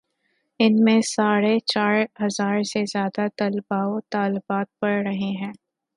ان میں ساڑھے چار ہزار سے زیادہ طلبا و طالبات پڑھ رہے ہیں۔